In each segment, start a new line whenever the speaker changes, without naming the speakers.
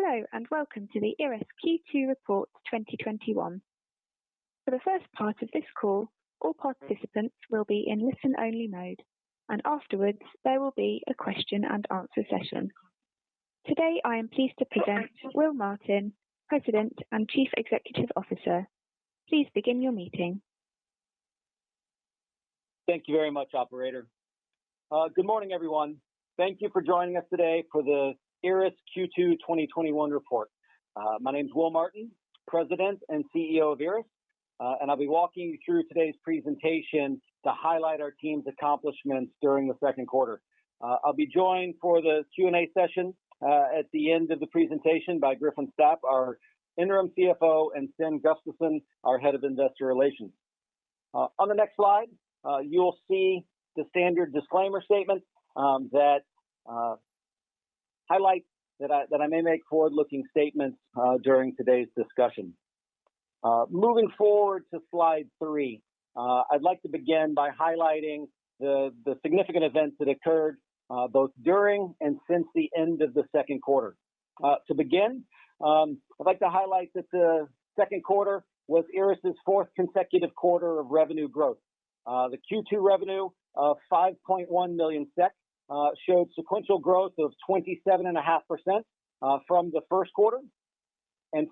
Hello, and welcome to the IRRAS Q2 report 2021. For the first part of this call, all participants will be in listen-only mode, and afterwards, there will be a question and answer session. Today, I am pleased to present Will Martin, President and Chief Executive Officer. Please begin your meeting.
Thank you very much, operator. Good morning, everyone. Thank you for joining us today for the IRRAS Q2 2021 report. My name's Will Martin, President and CEO of IRRAS. I'll be walking you through today's presentation to highlight our team's accomplishments during the second quarter. I'll be joined for the Q&A session at the end of the presentation by Griffen Stapp, our interim CFO, and Sten Gustafsson, our head of investor relations. On the next slide, you will see the standard disclaimer statement that highlights that I may make forward-looking statements during today's discussion. Moving forward to slide three, I'd like to begin by highlighting the significant events that occurred both during and since the end of the second quarter. To begin, I'd like to highlight that the second quarter was IRRAS' 4th consecutive quarter of revenue growth. The Q2 revenue of 5.1 million showed sequential growth of 27.5% from the first quarter.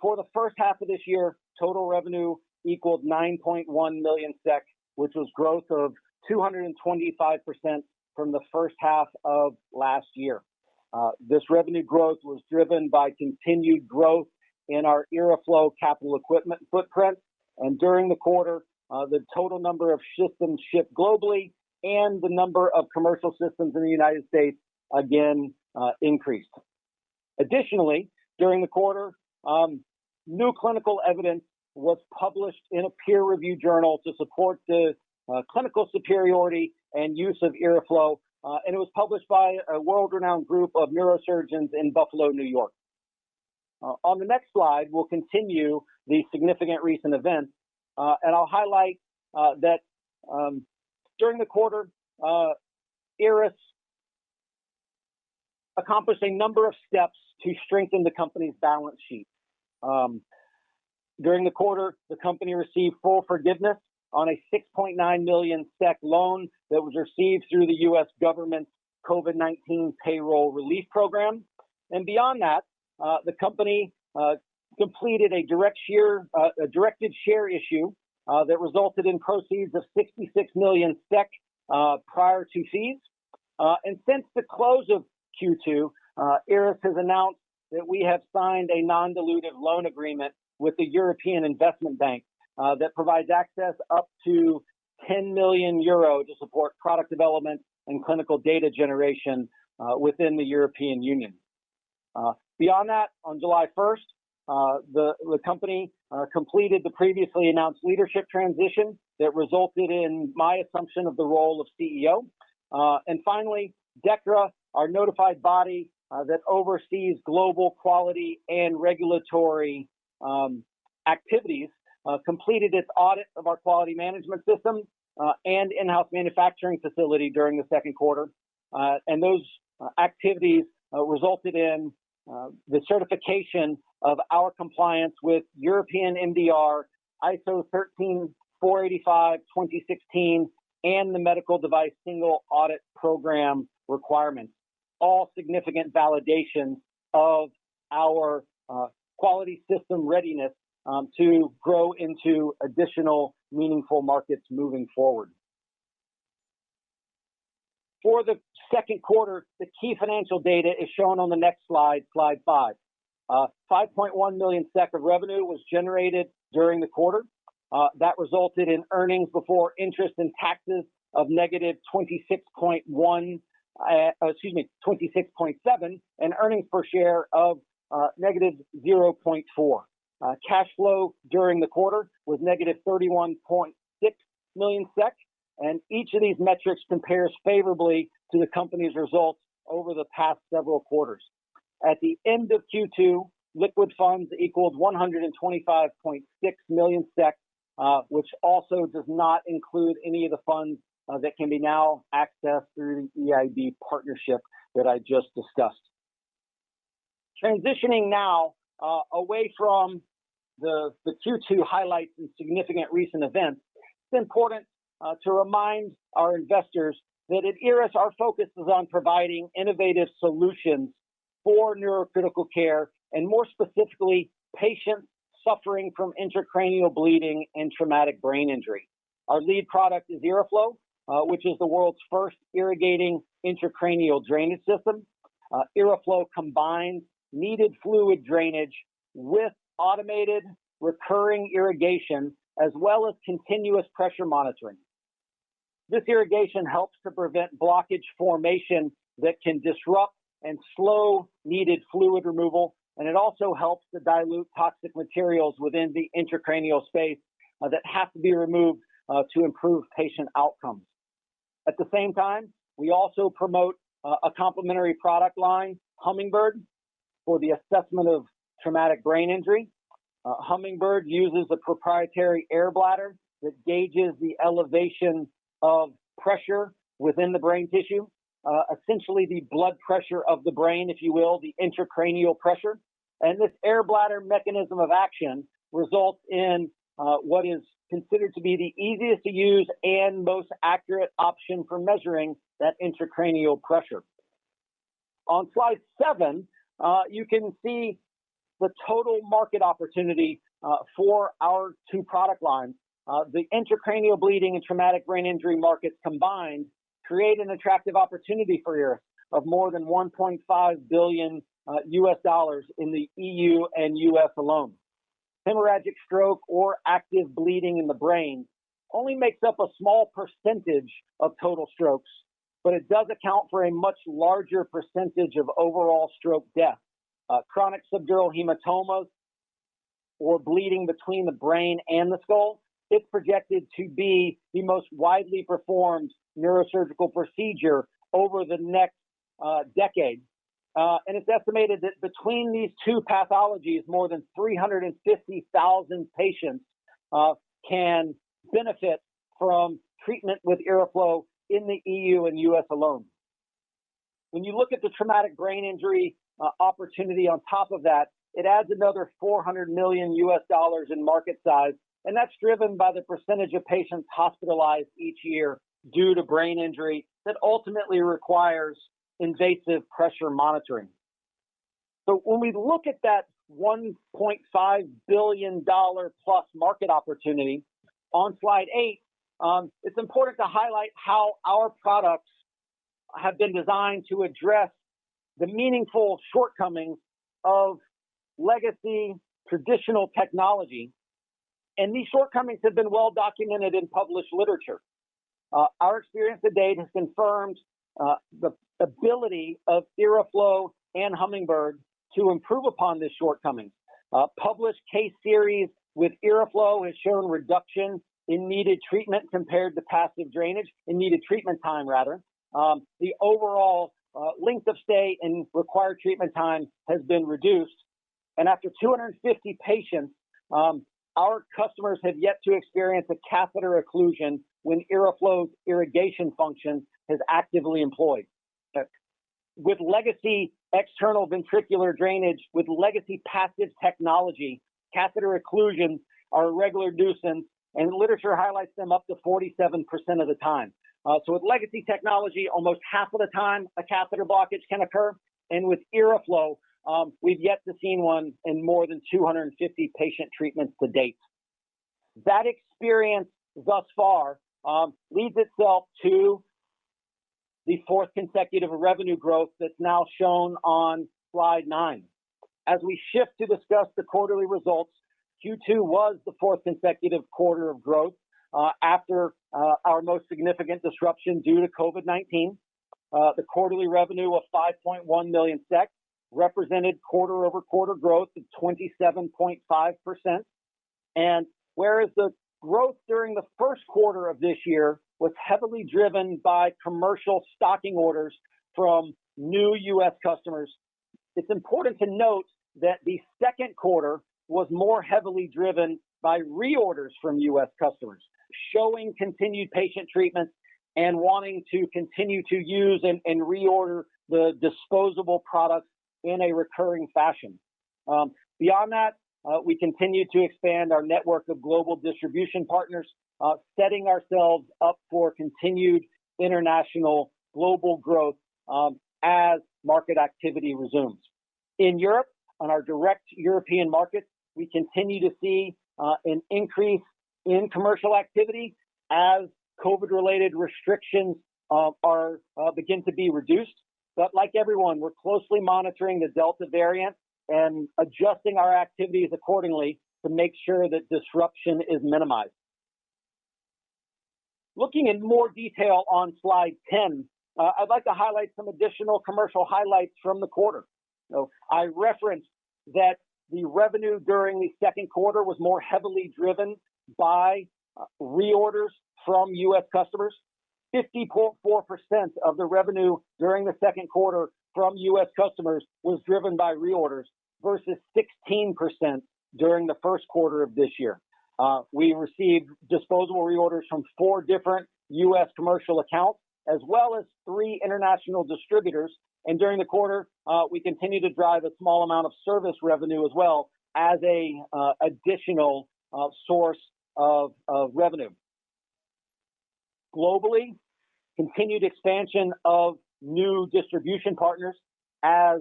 For the first half of this year, total revenue equaled 9.1 million SEK, which was growth of 225% from the first half of last year. This revenue growth was driven by continued growth in our IRRAflow capital equipment footprint. During the quarter, the total number of systems shipped globally and the number of commercial systems in the U.S. again increased. Additionally, during the quarter, new clinical evidence was published in a peer-review journal to support the clinical superiority and use of IRRAflow. It was published by a world-renowned group of neurosurgeons in Buffalo, N.Y. On the next slide, we'll continue the significant recent events. I'll highlight that during the quarter, IRRAS accomplished a number of steps to strengthen the company's balance sheet. During the quarter, the company received full forgiveness on a 6.9 million SEK loan that was received through the U.S. government's Paycheck Protection Program. Beyond that, the company completed a directed share issue that resulted in proceeds of 66 million SEK prior to fees. Since the close of Q2, IRRAS has announced that we have signed a non-dilutive loan agreement with the European Investment Bank that provides access up to 10 million euro to support product development and clinical data generation within the European Union. Beyond that, on July 1st, the company completed the previously announced leadership transition that resulted in my assumption of the role of CEO. Finally, DEKRA, our notified body that oversees global quality and regulatory activities, completed its audit of our quality management system and in-house manufacturing facility during the second quarter. Those activities resulted in the certification of our compliance with European MDR, ISO 13485:2016, and the Medical Device Single Audit Program requirements. All significant validations of our quality system readiness to grow into additional meaningful markets moving forward. For the second quarter, the key financial data is shown on the next slide five. 5.1 million SEK of revenue was generated during the quarter. That resulted in earnings before interest and taxes of negative 26.7, and earnings per share of negative 0.4. Cash flow during the quarter was negative 31.6 million SEK, and each of these metrics compares favorably to the company's results over the past several quarters. At the end of Q2, liquid funds equaled 125.6 million SEK, which also does not include any of the funds that can be now accessed through the EIB partnership that I just discussed. Transitioning now away from the Q2 highlights and significant recent events, it's important to remind our investors that at IRRAS, our focus is on providing innovative solutions for neurocritical care and, more specifically, patients suffering from intracranial bleeding and traumatic brain injury. Our lead product is IRRAflow, which is the world's first irrigating intracranial drainage system. IRRAflow combines needed fluid drainage with automated recurring irrigation as well as continuous pressure monitoring. This irrigation helps to prevent blockage formation that can disrupt and slow needed fluid removal, and it also helps to dilute toxic materials within the intracranial space that have to be removed to improve patient outcomes. At the same time, we also promote a complementary product line, Hummingbird, for the assessment of traumatic brain injury. Hummingbird uses a proprietary air bladder that gauges the elevation of pressure within the brain tissue, essentially the blood pressure of the brain, if you will, the intracranial pressure. This air bladder mechanism of action results in what is considered to be the easiest to use and most accurate option for measuring that intracranial pressure. On slide seven, you can see the total market opportunity for our two product lines. The intracranial bleeding and traumatic brain injury markets combined create an attractive opportunity for IRRAS of more than $1.5 billion in the EU and U.S. alone. Hemorrhagic stroke or active bleeding in the brain only makes up a small % of total strokes, it does account for a much larger % of overall stroke death. Chronic subdural hematomas or bleeding between the brain and the skull. It's projected to be the most widely performed neurosurgical procedure over the next decade. It's estimated that between these two pathologies, more than 350,000 patients can benefit from treatment with IRRAflow in the E.U. And U.S. alone. When you look at the traumatic brain injury opportunity on top of that, it adds another $400 million in market size, and that's driven by the percentage of patients hospitalized each year due to brain injury that ultimately requires invasive pressure monitoring. When we look at that $1.5 billion-plus market opportunity, on slide eight, it's important to highlight how our products have been designed to address the meaningful shortcomings of legacy traditional technology, and these shortcomings have been well documented in published literature. Our experience to date has confirmed the ability of IRRAflow and Hummingbird to improve upon this shortcoming. A published case series with IRRAflow has shown reduction in needed treatment compared to passive drainage, in needed treatment time, rather. The overall length of stay and required treatment time has been reduced. After 250 patients, our customers have yet to experience a catheter occlusion when IRRAflow's irrigation function is actively employed. With legacy external ventricular drainage, with legacy passive technology, catheter occlusions are a regular occurrence, and literature highlights them up to 47% of the time. With legacy technology, almost half of the time, a catheter blockage can occur. With IRRAflow, we've yet to see one in more than 250 patient treatments to date. That experience thus far leads itself to the fourth consecutive revenue growth that's now shown on slide nine. As we shift to discuss the quarterly results, Q2 was the fourth consecutive quarter of growth after our most significant disruption due to COVID-19. The quarterly revenue of $5.1 million represented quarter-over-quarter growth of 27.5%. Whereas the growth during the first quarter of this year was heavily driven by commercial stocking orders from new U.S. customers, it's important to note that the second quarter was more heavily driven by reorders from U.S. customers, showing continued patient treatment and wanting to continue to use and reorder the disposable products in a recurring fashion. Beyond that, we continue to expand our network of global distribution partners, setting ourselves up for continued international global growth as market activity resumes. In Europe, on our direct European market, we continue to see an increase in commercial activity as COVID-related restrictions begin to be reduced. Like everyone, we're closely monitoring the Delta variant and adjusting our activities accordingly to make sure that disruption is minimized. Looking in more detail on slide 10, I'd like to highlight some additional commercial highlights from the quarter. I referenced that the revenue during the second quarter was more heavily driven by reorders from U.S. customers. 50.4% of the revenue during the second quarter from U.S. customers was driven by reorders versus 16% during the first quarter of this year. We received disposable reorders from four different U.S. commercial accounts, as well as three international distributors. During the quarter, we continued to drive a small amount of service revenue as well as an additional source of revenue. Globally, continued expansion of new distribution partners as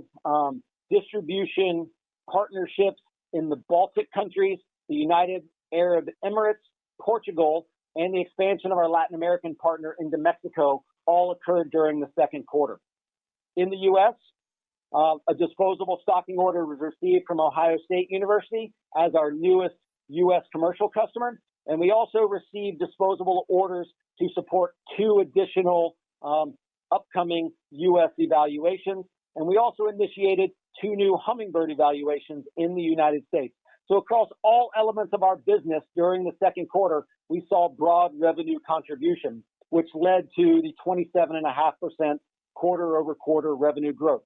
distribution partnerships in the Baltic countries, the United Arab Emirates, Portugal, and the expansion of our Latin American partner into Mexico all occurred during the second quarter. In the U.S., a disposable stocking order was received from Ohio State University as our newest U.S. commercial customer. We also received disposable orders to support two additional upcoming U.S. evaluations. We also initiated two new Hummingbird evaluations in the United States. Across all elements of our business during the second quarter, we saw broad revenue contribution, which led to the 27.5% quarter-over-quarter revenue growth.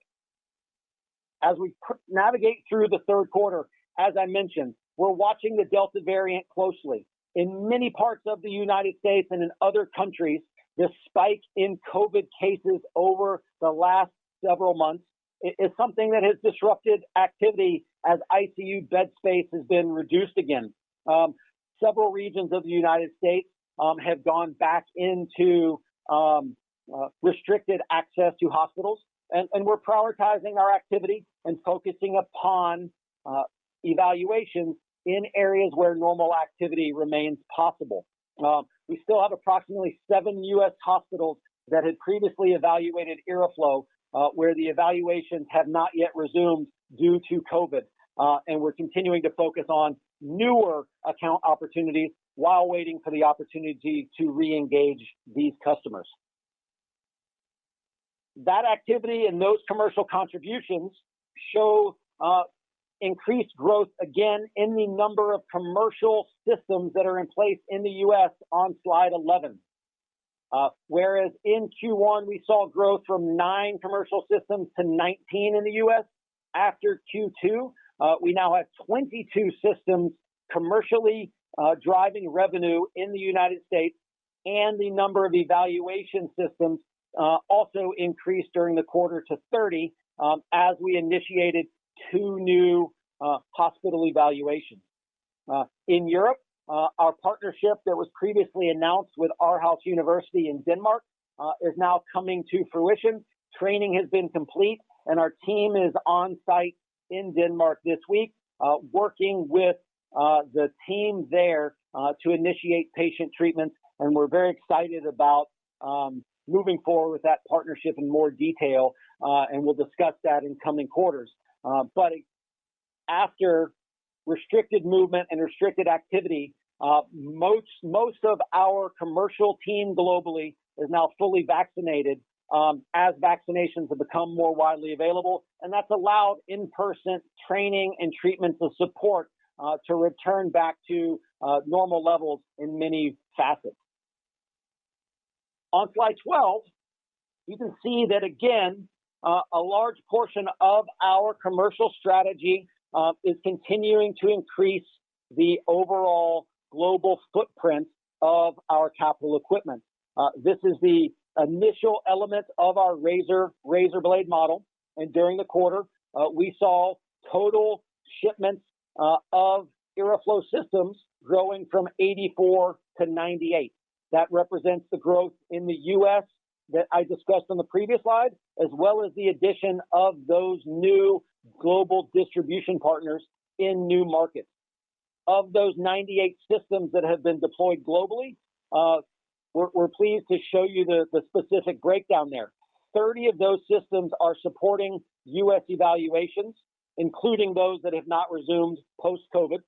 As we navigate through the third quarter, as I mentioned, we're watching the Delta variant closely. In many parts of the United States and in other countries, the spike in COVID cases over the last several months is something that has disrupted activity as ICU bed space has been reduced again. Several regions of the United States have gone back into restricted access to hospitals. We're prioritizing our activity and focusing upon evaluations in areas where normal activity remains possible. We still have approximately seven U.S. hospitals that had previously evaluated IRRAflow, where the evaluations have not yet resumed due to COVID. We're continuing to focus on newer account opportunities while waiting for the opportunity to re-engage these customers. That activity and those commercial contributions show increased growth again in the number of commercial systems that are in place in the U.S. on slide 11. In Q1, we saw growth from nine commercial systems to 19 in the U.S. After Q2, we now have 22 systems commercially driving revenue in the United States, and the number of evaluation systems also increased during the quarter to 30, as we initiated two new hospital evaluations. In Europe, our partnership that was previously announced with Aarhus University in Denmark is now coming to fruition. Training has been complete, and our team is on-site in Denmark this week, working with the team there to initiate patient treatments, and we're very excited about moving forward with that partnership in more detail. We'll discuss that in coming quarters. After restricted movement and restricted activity, most of our commercial team globally is now fully vaccinated, as vaccinations have become more widely available, and that's allowed in-person training and treatments and support to return back to normal levels in many facets. On slide 12, you can see that again, a large portion of our commercial strategy is continuing to increase the overall global footprint of our capital equipment. This is the initial element of our razor blade model, and during the quarter, we saw total shipments of IRRAflow systems growing from 84 to 98. That represents the growth in the U.S. that I discussed on the previous slide, as well as the addition of those new global distribution partners in new markets. Of those 98 systems that have been deployed globally, we're pleased to show you the specific breakdown there. 30 of those systems are supporting U.S. evaluations, including those that have not resumed post-COVID.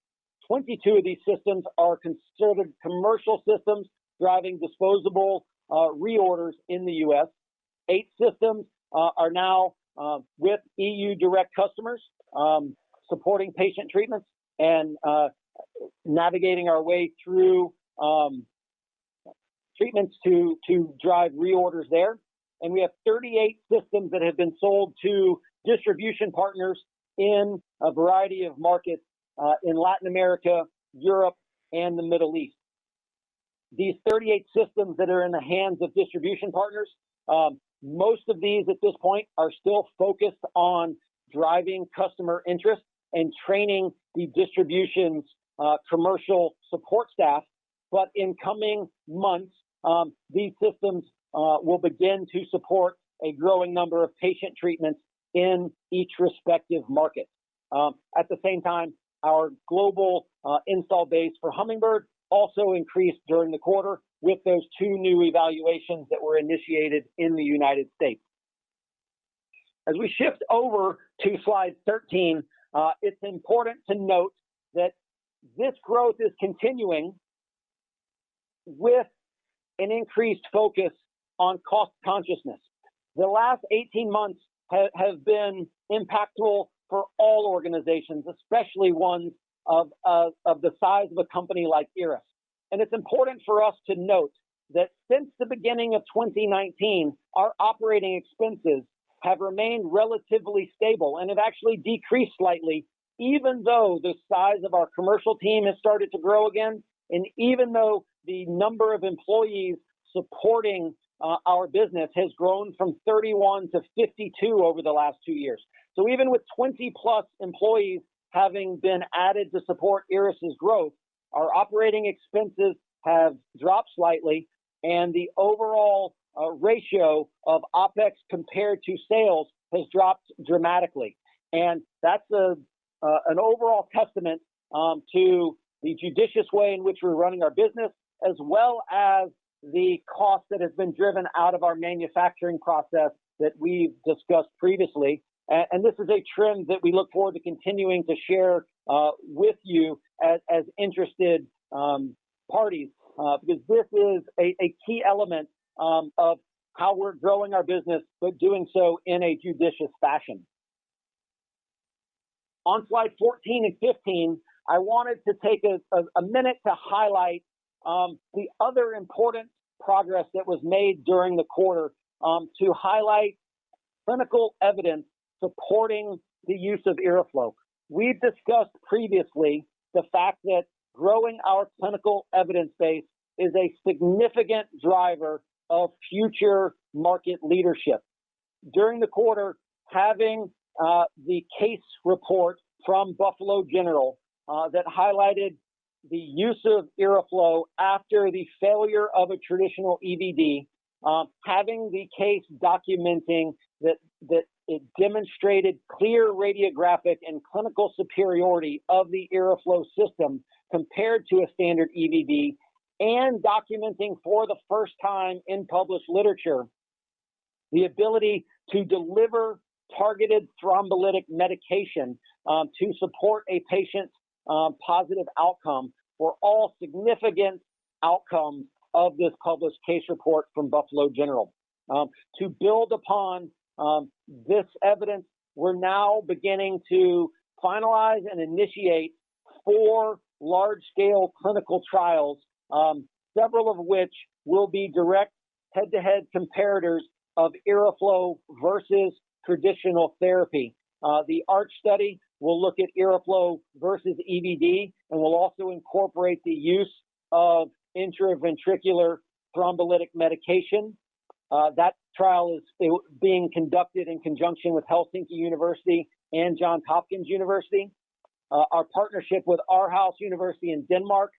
22 of these systems are considered commercial systems, driving disposable reorders in the U.S. 8 systems are now with EU direct customers, supporting patient treatments and navigating our way through treatments to drive reorders there. We have 38 systems that have been sold to distribution partners in a variety of markets in Latin America, Europe, and the Middle East. These 38 systems that are in the hands of distribution partners, most of these at this point are still focused on driving customer interest and training the distribution's commercial support staff. In coming months, these systems will begin to support a growing number of patient treatments in each respective market. At the same time, our global install base for Hummingbird also increased during the quarter with those two new evaluations that were initiated in the U.S. As we shift over to slide 13, it's important to note that this growth is continuing with an increased focus on cost consciousness. The last 18 months have been impactful for all organizations, especially ones of the size of a company like IRRAS. It's important for us to note that since the beginning of 2019, our operating expenses have remained relatively stable and have actually decreased slightly, even though the size of our commercial team has started to grow again, and even though the number of employees supporting our business has grown from 31 to 52 over the last two years. Even with 20-plus employees having been added to support IRRAS's growth, our operating expenses have dropped slightly, and the overall ratio of OpEx compared to sales has dropped dramatically. That's an overall testament to the judicious way in which we're running our business, as well as the cost that has been driven out of our manufacturing process that we've discussed previously. This is a trend that we look forward to continuing to share with you as interested parties because this is a key element of how we're growing our business, but doing so in a judicious fashion. On slide 14 and 15, I wanted to take a minute to highlight the other important progress that was made during the quarter to highlight clinical evidence supporting the use of IRRAflow. We've discussed previously the fact that growing our clinical evidence base is a significant driver of future market leadership. During the quarter, having the case report from Buffalo General that highlighted the use of IRRAflow after the failure of a traditional EVD. Having the case documenting that it demonstrated clear radiographic and clinical superiority of the IRRAflow system compared to a standard EVD, and documenting for the first time in published literature the ability to deliver targeted thrombolytic medication to support a patient's positive outcome were all significant outcomes of this published case report from Buffalo General. To build upon this evidence, we're now beginning to finalize and initiate four large-scale clinical trials, several of which will be direct head-to-head comparators of IRRAflow versus traditional therapy. The ARCH study will look at IRRAflow versus EVD and will also incorporate the use of intraventricular thrombolytic medication. That trial is being conducted in conjunction with University of Helsinki and Johns Hopkins University. Our partnership with Aarhus University in Denmark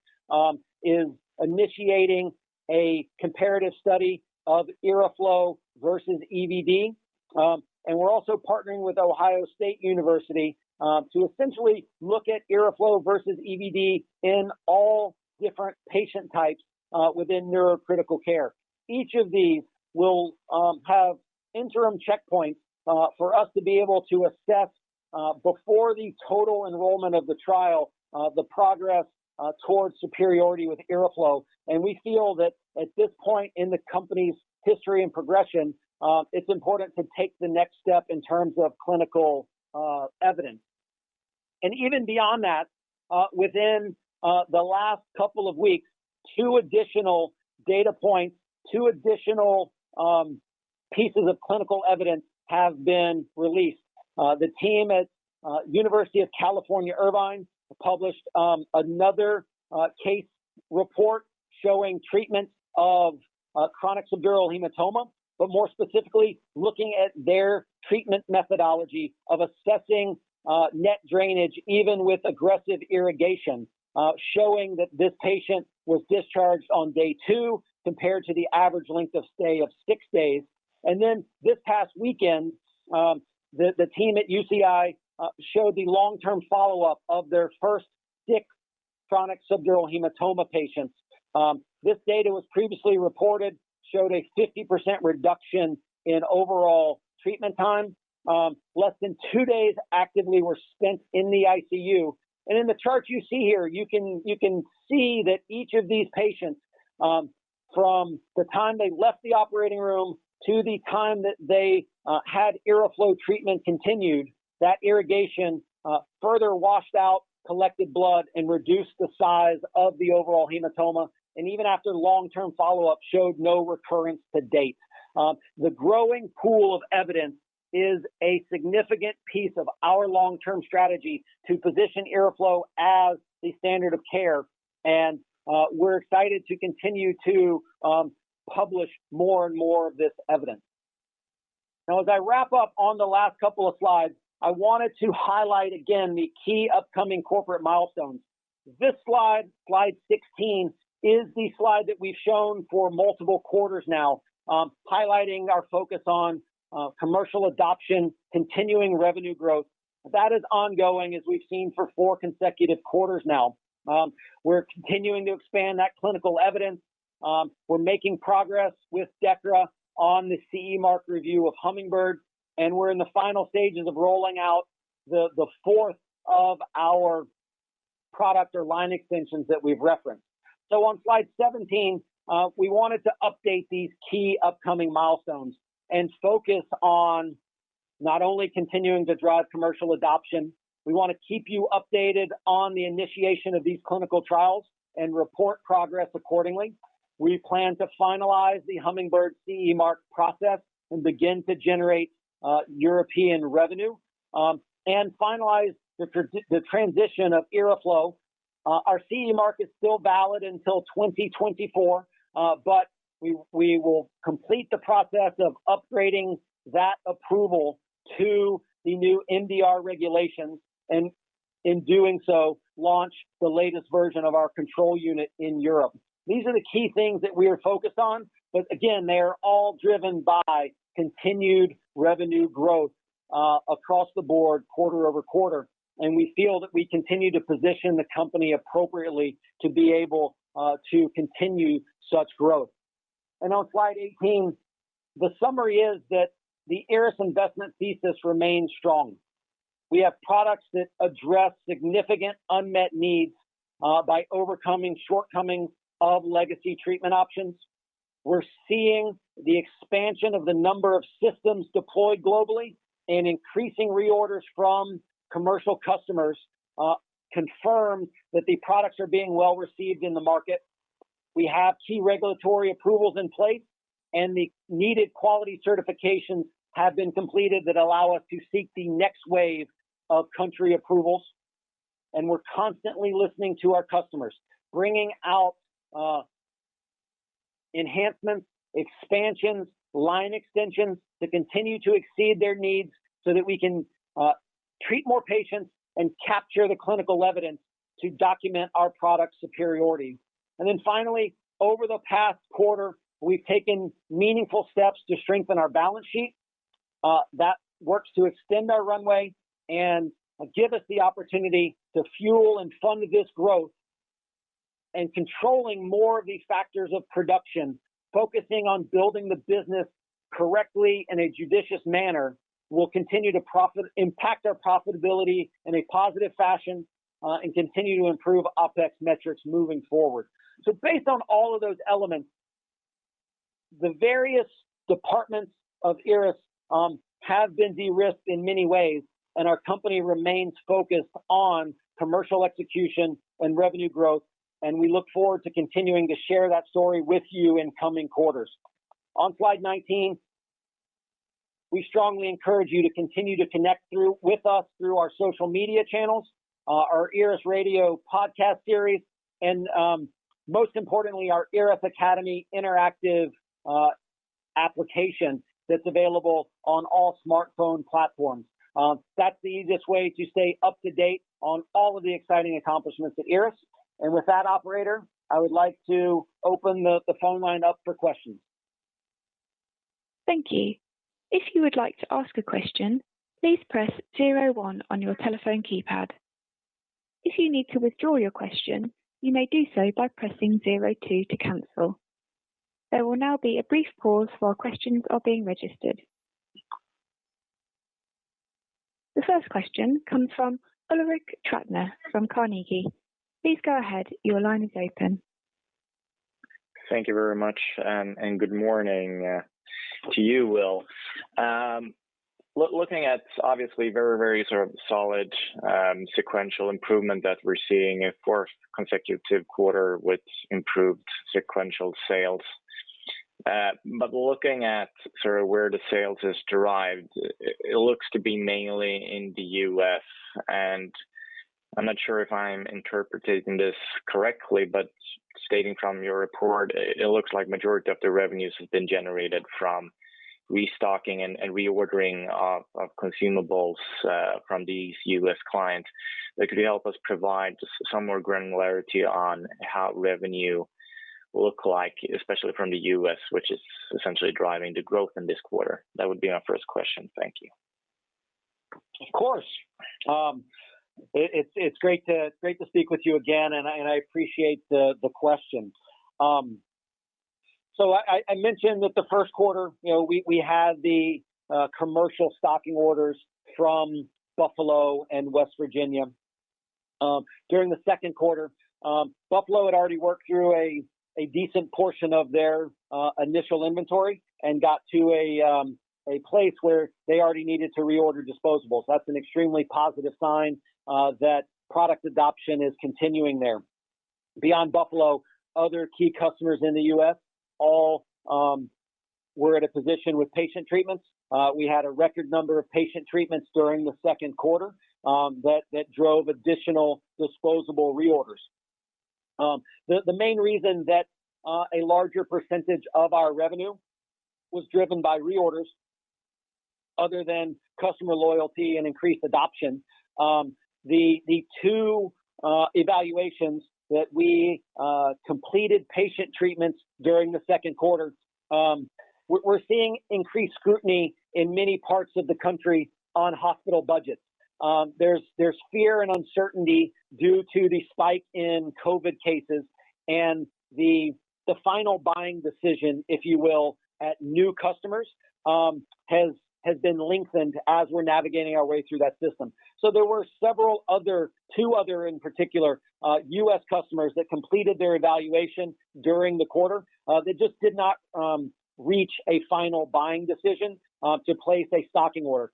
is initiating a comparative study of IRRAflow versus EVD. We're also partnering with Ohio State University to essentially look at IRRAflow versus EVD in all different patient types within neurocritical care. Each of these will have interim checkpoints for us to be able to assess, before the total enrollment of the trial, the progress towards superiority with IRRAflow. We feel that at this point in the company's history and progression, it's important to take the next step in terms of clinical evidence. Even beyond that, within the last couple of weeks, two additional data points, two additional pieces of clinical evidence have been released. The team at University of California, Irvine, published another case report showing treatment of chronic subdural hematoma, but more specifically, looking at their treatment methodology of assessing net drainage, even with aggressive irrigation, showing that this patient was discharged on day two compared to the average length of stay of si days. This past weekend, the team at UCI showed the long-term follow-up of their first six chronic subdural hematoma patients. This data was previously reported, showed a 50% reduction in overall treatment time. Less than two days actively were spent in the ICU. In the chart you see here, you can see that each of these patients, from the time they left the operating room to the time that they had IRRAflow treatment continued, that irrigation further washed out collected blood and reduced the size of the overall hematoma, and even after long-term follow-up, showed no recurrence to date. The growing pool of evidence is a significant piece of our long-term strategy to position IRRAflow as the standard of care, and we're excited to continue to publish more and more of this evidence. As I wrap up on the last couple of slides, I wanted to highlight again the key upcoming corporate milestones. This slide 16, is the slide that we've shown for multiple quarters now, highlighting our focus on commercial adoption, continuing revenue growth. That is ongoing as we've seen for four consecutive quarters now. We're continuing to expand that clinical evidence. We're making progress with DEKRA on the CE Mark review of Hummingbird, and we're in the final stages of rolling out the fourth of our product or line extensions that we've referenced. On slide 17, we wanted to update these key upcoming milestones and focus on not only continuing to drive commercial adoption, we want to keep you updated on the initiation of these clinical trials and report progress accordingly. We plan to finalize the Hummingbird CE Mark process and begin to generate European revenue and finalize the transition of IRRAflow. Our CE Mark is still valid until 2024, but we will complete the process of upgrading that approval to the new MDR, and in doing so, launch the latest version of our control unit in Europe. These are the key things that we are focused on, but again, they are all driven by continued revenue growth across the board quarter-over-quarter, and we feel that we continue to position the company appropriately to be able to continue such growth. On slide 18, the summary is that the IRRAS investment thesis remains strong. We have products that address significant unmet needs by overcoming shortcomings of legacy treatment options. We're seeing the expansion of the number of systems deployed globally and increasing reorders from commercial customers confirm that the products are being well received in the market. We have key regulatory approvals in place, and the needed quality certifications have been completed that allow us to seek the next wave of country approvals. We're constantly listening to our customers, bringing out enhancements, expansions, line extensions to continue to exceed their needs so that we can treat more patients and capture the clinical evidence to document our product superiority. Finally, over the past quarter, we've taken meaningful steps to strengthen our balance sheet. That works to extend our runway and give us the opportunity to fuel and fund this growth, and controlling more of these factors of production, focusing on building the business correctly in a judicious manner will continue to impact our profitability in a positive fashion, and continue to improve OpEx metrics moving forward. Based on all of those elements, the various departments of IRRAS have been de-risked in many ways, and our company remains focused on commercial execution and revenue growth, and we look forward to continuing to share that story with you in coming quarters. On slide 19, we strongly encourage you to continue to connect with us through our social media channels, our IRRAS Radio podcast series, and, most importantly, our IRRAS Academy interactive application that's available on all smartphone platforms. That's the easiest way to stay up to date on all of the exciting accomplishments at IRRAS. With that, operator, I would like to open the phone line up for questions.
Thank you. The first question comes from Ulrik Trattner from Carnegie. Please go ahead. Your line is open.
Thank you very much, and good morning to you, Will. Looking at obviously very solid sequential improvement that we're seeing a 4th consecutive quarter with improved sequential sales. Looking at where the sales is derived, it looks to be mainly in the U.S., and I'm not sure if I'm interpreting this correctly, but stating from your report, it looks like majority of the revenues has been generated from restocking and reordering of consumables from these U.S. clients. Could you help us provide some more granularity on how revenue look like, especially from the U.S., which is essentially driving the growth in this quarter? That would be my 1st question. Thank you.
Of course. It's great to speak with you again, and I appreciate the question. I mentioned that the first quarter, we had the commercial stocking orders from Buffalo and West Virginia. During the second quarter, Buffalo had already worked through a decent portion of their initial inventory and got to a place where they already needed to reorder disposables. That's an extremely positive sign that product adoption is continuing there. Beyond Buffalo, other key customers in the U.S. all were at a position with patient treatments. We had a record number of patient treatments during the second quarter that drove additional disposable reorders. The main reason that a larger percentage of our revenue was driven by reorders, other than customer loyalty and increased adoption, the two evaluations that we completed patient treatments during the second quarter, we're seeing increased scrutiny in many parts of the country on hospital budgets. There's fear and uncertainty due to the spike in COVID cases, and the final buying decision, if you will, at new customers, has been lengthened as we're navigating our way through that system. There were several other, two other in particular, U.S. customers that completed their evaluation during the quarter. They just did not reach a final buying decision to place a stocking order.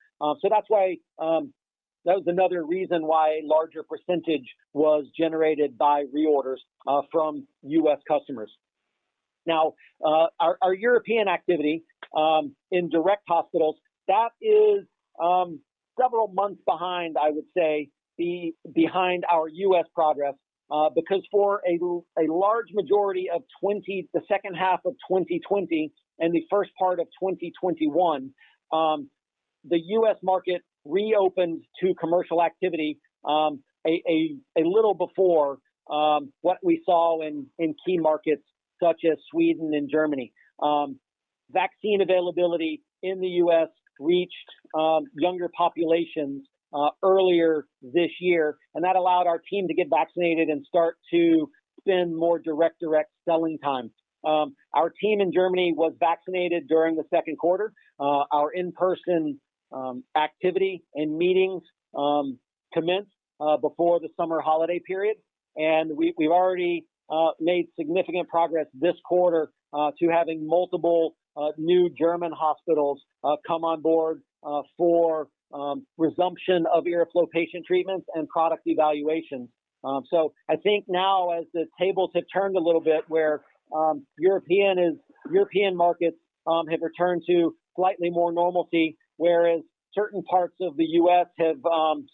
That was another reason why a larger % was generated by reorders from U.S. customers. Our European activity in direct hospitals, that is several months behind, I would say, behind our U.S. progress, because for a large majority of the second half of 2020 and the first part of 2021, the U.S. market reopened to commercial activity a little before what we saw in key markets such as Sweden and Germany. Vaccine availability in the U.S. reached younger populations earlier this year, that allowed our team to get vaccinated and start to spend more direct selling time. Our team in Germany was vaccinated during the second quarter. Our in-person activity and meetings commenced before the summer holiday period, we've already made significant progress this quarter to having multiple new German hospitals come on board for resumption of IRRAflow patient treatments and product evaluations. I think now as the tables have turned a little bit, where European markets have returned to slightly more normalcy, whereas certain parts of the U.S. have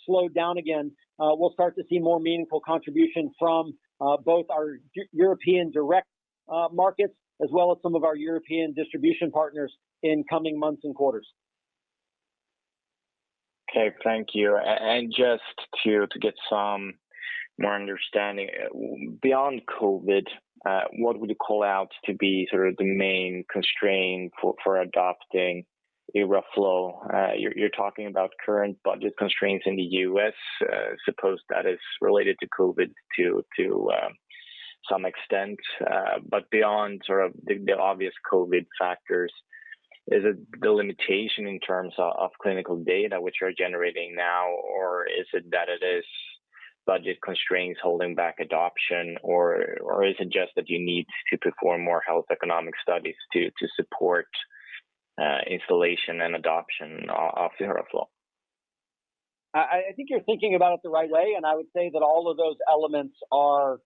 slowed down again, we'll start to see more meaningful contribution from both our European direct markets as well as some of our European distribution partners in coming months and quarters.
Okay, thank you. Just to get some more understanding, beyond COVID, what would you call out to be sort of the main constraint for adopting IRRAflow? You're talking about current budget constraints in the U.S., I suppose that is related to COVID to some extent. Beyond sort of the obvious COVID factors, is it the limitation in terms of clinical data which you're generating now, or is it that it is budget constraints holding back adoption, or is it just that you need to perform more health economic studies to support installation and adoption of IRRAflow?
I think you're thinking about it the right way, and I would say that all of those elements are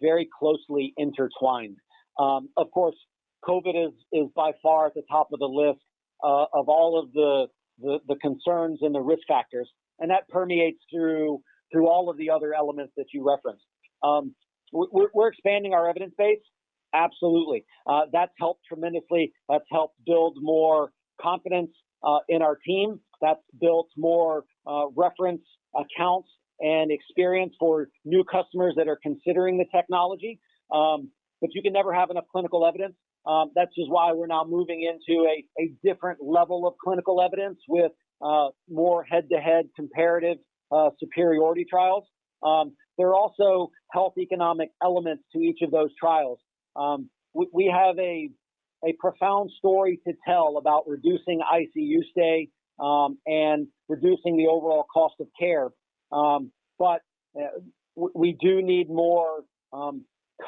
very closely intertwined. Of course, COVID is by far at the top of the list of all of the concerns and the risk factors, and that permeates through all of the other elements that you referenced. We're expanding our evidence base, absolutely. That's helped tremendously. That's helped build more confidence in our team. That's built more reference accounts and experience for new customers that are considering the technology. You can never have enough clinical evidence. That's just why we're now moving into a different level of clinical evidence with more head-to-head comparative superiority trials. There are also health economic elements to each of those trials. We have a profound story to tell about reducing ICU stay, and reducing the overall cost of care. We do need more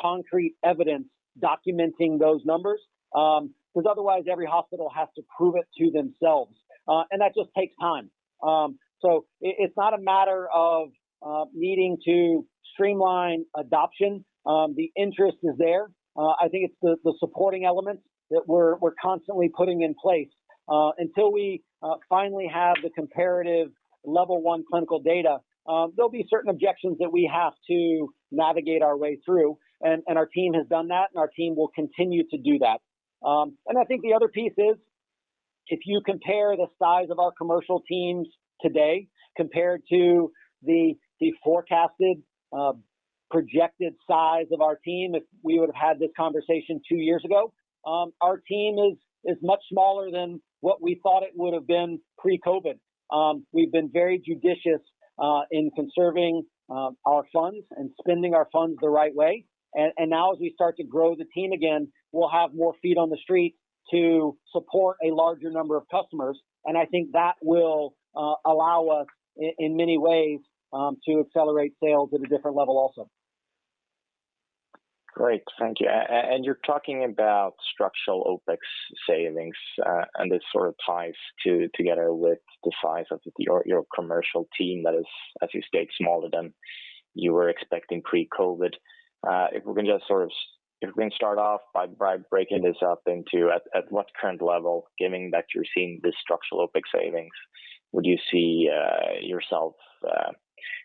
concrete evidence documenting those numbers, because otherwise every hospital has to prove it to themselves, and that just takes time. It's not a matter of needing to streamline adoption. The interest is there. I think it's the supporting elements that we're constantly putting in place. Until we finally have the comparative level 1 clinical data, there'll be certain objections that we have to navigate our way through, and our team has done that, and our team will continue to do that. I think the other piece is, if you compare the size of our commercial teams today compared to the forecasted projected size of our team, if we would've had this conversation two years ago, our team is much smaller than what we thought it would've been pre-COVID. We've been very judicious in conserving our funds and spending our funds the right way. Now as we start to grow the team again, we'll have more feet on the street to support a larger number of customers. I think that will allow us in many ways, to accelerate sales at a different level also.
Great, thank you. You're talking about structural OpEx savings, and this sort of ties together with the size of your commercial team that is, as you state, smaller than you were expecting pre-COVID. If we can start off by breaking this up into at what current level, given that you're seeing this structural OpEx savings, would you see yourself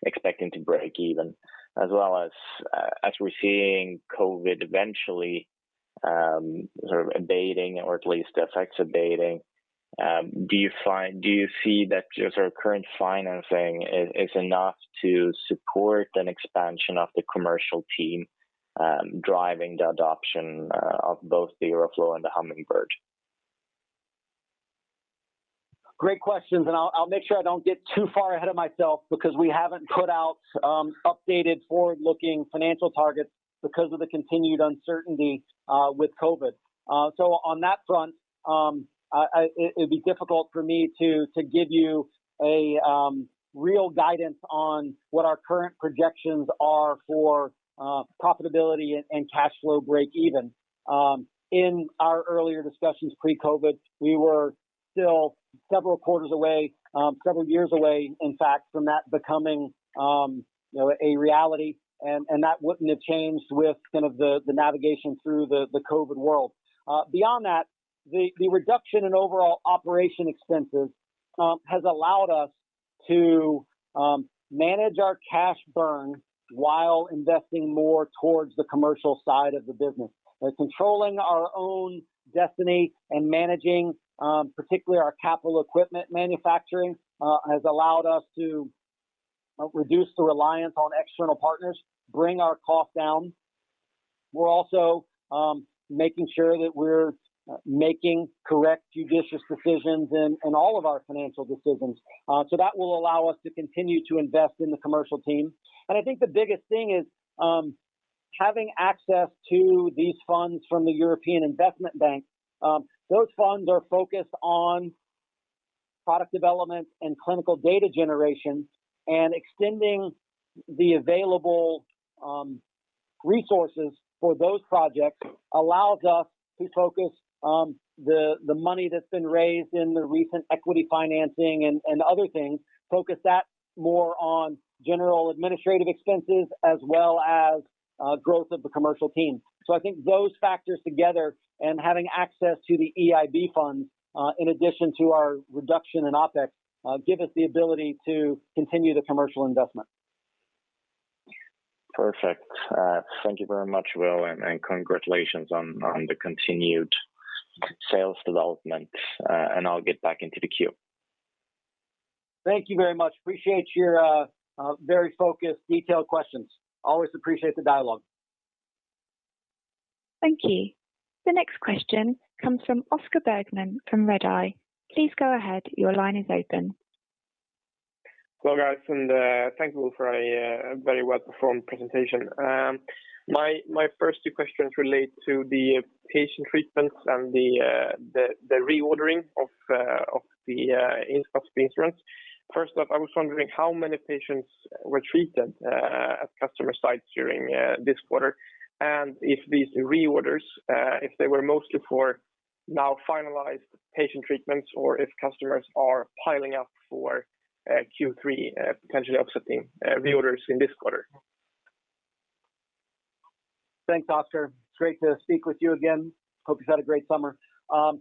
expecting to break even, as well as we're seeing COVID eventually sort of abating or at least the effects abating, do you see that sort of current financing is enough to support an expansion of the commercial team, driving the adoption of both the IRRAflow and the Hummingbird?
Great questions. I'll make sure I don't get too far ahead of myself because we haven't put out updated forward-looking financial targets because of the continued uncertainty with COVID. On that front, it'd be difficult for me to give you a real guidance on what our current projections are for profitability and cashflow break even. In our earlier discussions pre-COVID, we were still several quarters away, several years away in fact, from that becoming a reality, and that wouldn't have changed with kind of the navigation through the COVID world. Beyond that, the reduction in overall operating expenses has allowed us to manage our cash burn while investing more towards the commercial side of the business. By controlling our own destiny and managing particularly our capital equipment manufacturing, has allowed us to reduce the reliance on external partners, bring our cost down. We're also making sure that we're making correct judicious decisions in all of our financial decisions. That will allow us to continue to invest in the commercial team. I think the biggest thing is having access to these funds from the European Investment Bank. Those funds are focused on product development and clinical data generation, and extending the available resources for those projects allows us to focus the money that's been raised in the recent equity financing and other things, focus that more on general administrative expenses as well as growth of the commercial team. I think those factors together and having access to the EIB fund, in addition to our reduction in OpEx, give us the ability to continue the commercial investment.
Perfect. Thank you very much, Will, and congratulations on the continued sales development, and I'll get back into the queue.
Thank you very much. Appreciate your very focused, detailed questions. Always appreciate the dialogue.
Thank you. The next question comes from Oscar Bergman from Redeye. Please go ahead. Your line is open.
Well, guys, thank you, Will, for a very well-performed presentation. My first two questions relate to the patient treatments and the reordering of the instruments. First off, I was wondering how many patients were treated at customer sites during this quarter, and if these reorders were mostly for now finalized patient treatments, or if customers are piling up for Q3, potentially offsetting reorders in this quarter.
Thanks, Oscar. It's great to speak with you again. Hope you've had a great summer.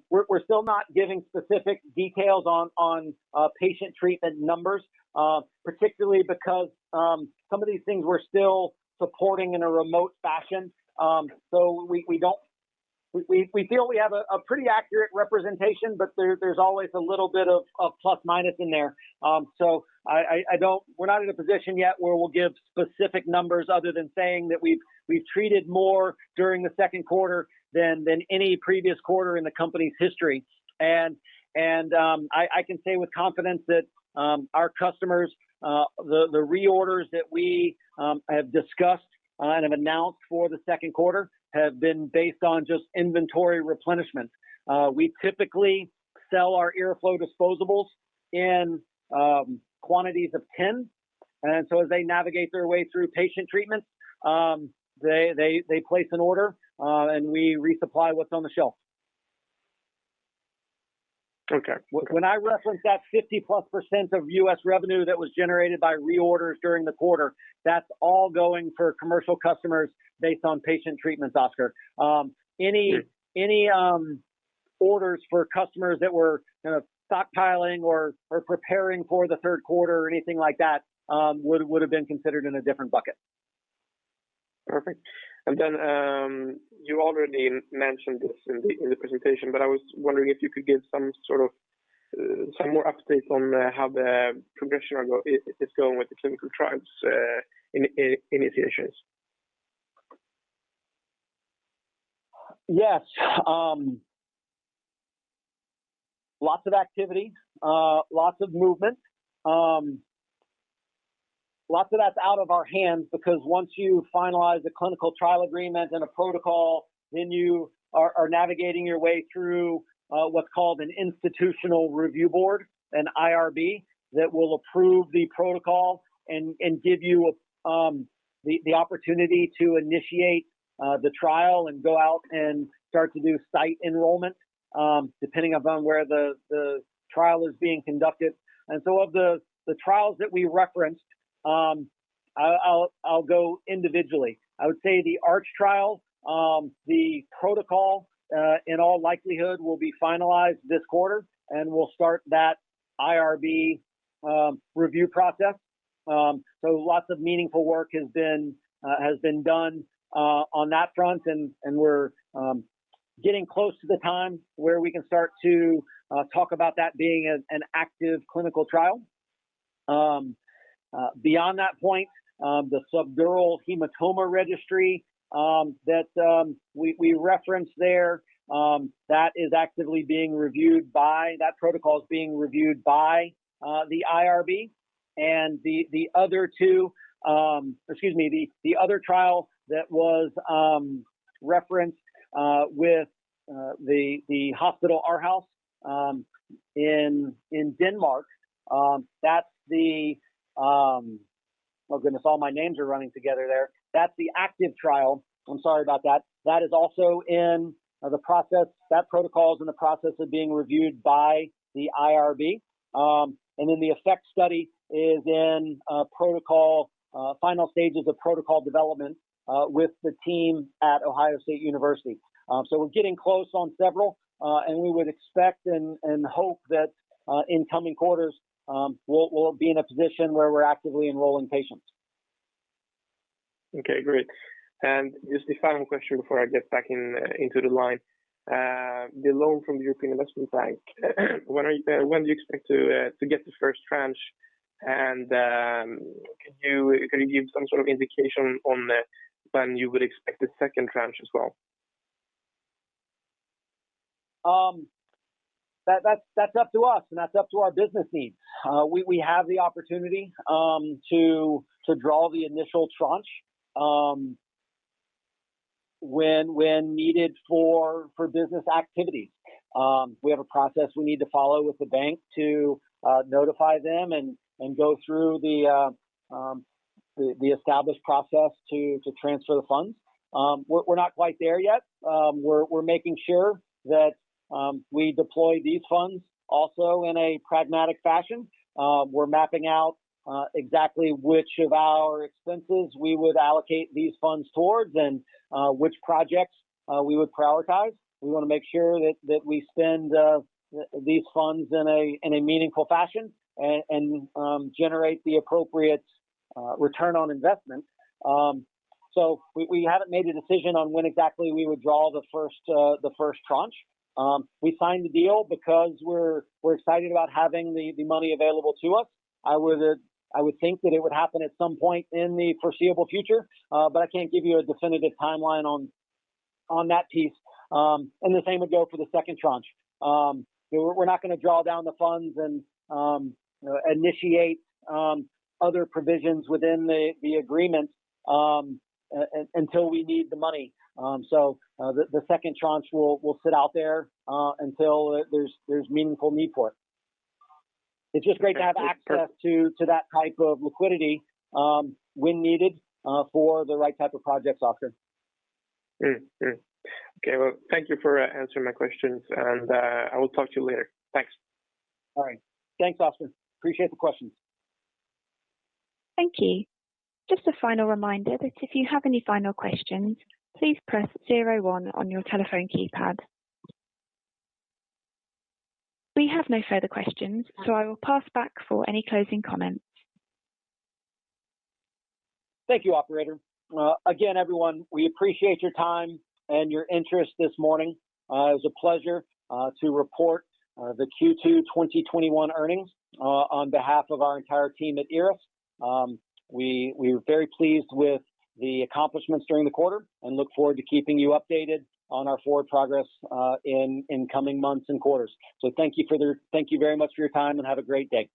We're still not giving specific details on patient treatment numbers, particularly because some of these things we're still supporting in a remote fashion. We feel we have a pretty accurate representation, but there's always a little bit of plus/minus in there. We're not in a position yet where we'll give specific numbers other than saying that we've treated more during the second quarter than any previous quarter in the company's history. I can say with confidence that our customers, the reorders that we have discussed and have announced for the second quarter have been based on just inventory replenishment. We typically sell our IRRAflow disposables in quantities of 10, and so as they navigate their way through patient treatments, they place an order, and we resupply what's on the shelf.
Okay. When I reference that 50+% of U.S. revenue that was generated by reorders during the quarter, that's all going for commercial customers based on patient treatments, Oscar. Any orders for customers that were stockpiling or preparing for the third quarter or anything like that would've been considered in a different bucket. Perfect. You already mentioned this in the presentation, but I was wondering if you could give some more updates on how the progression is going with the clinical trials initiations.
Yes. Lots of activity, lots of movement. Lots of that's out of our hands because once you finalize a clinical trial agreement and a protocol, then you are navigating your way through what's called an institutional review board, an IRB, that will approve the protocol and give you the opportunity to initiate the trial and go out and start to do site enrollment, depending upon where the trial is being conducted. Of the trials that we referenced, I'll go individually. I would say the ARCH trial, the protocol, in all likelihood, will be finalized this quarter, and we'll start that IRB review process. Lots of meaningful work has been done on that front, and we're getting close to the time where we can start to talk about that being an active clinical trial. Beyond that point, the subdural hematoma registry that we referenced there, that protocol is being reviewed by the IRB. The other trial that was referenced, with the hospital, Aarhus University Hospital, in Denmark. Oh, goodness, all my names are running together there. That's the ACTIVE trial. I'm sorry about that. That protocol is in the process of being reviewed by the IRB. The AFFECT study is in final stages of protocol development with the team at Ohio State University. We're getting close on several, and we would expect and hope that in coming quarters, we'll be in a position where we're actively enrolling patients.
Okay, great. Just a final question before I get back into the line. The loan from the European Investment Bank, when do you expect to get the first tranche? Can you give some sort of indication on when you would expect the second tranche as well?
That's up to us, and that's up to our business needs. We have the opportunity to draw the initial tranche when needed for business activities. We have a process we need to follow with the bank to notify them and go through the established process to transfer the funds. We're not quite there yet. We're making sure that we deploy these funds also in a pragmatic fashion. We're mapping out exactly which of our expenses we would allocate these funds towards and which projects we would prioritize. We want to make sure that we spend these funds in a meaningful fashion and generate the appropriate return on investment. We haven't made a decision on when exactly we would draw the first tranche. We signed the deal because we're excited about having the money available to us. I would think that it would happen at some point in the foreseeable future, but I can't give you a definitive timeline on that piece. The same would go for the second tranche. We're not going to draw down the funds and initiate other provisions within the agreement until we need the money. The second tranche will sit out there until there's meaningful need for it. It's just great to have access to that type of liquidity when needed for the right type of projects, Oscar.
Okay. Well, thank you for answering my questions. I will talk to you later. Thanks.
All right. Thanks, Oscar. Appreciate the questions.
Thank you. Just a final reminder that if you have any final questions, please press zero one on your telephone keypad. We have no further questions. I will pass back for any closing comments.
Thank you, operator. Again, everyone, we appreciate your time and your interest this morning. It was a pleasure to report the Q2 2021 earnings on behalf of our entire team at IRRAS. We're very pleased with the accomplishments during the quarter and look forward to keeping you updated on our forward progress in coming months and quarters. Thank you very much for your time, and have a great day.